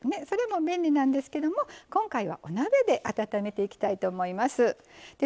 それも便利なんですけども今回は、お鍋で温めていきたいと思います。